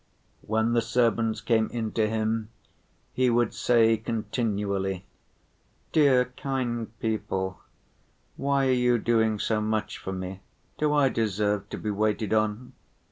When the servants came in to him he would say continually, "Dear, kind people, why are you doing so much for me, do I deserve to be waited on?